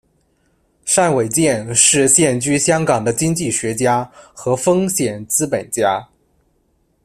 单伟建是现居香港的经济学家和风险资本家。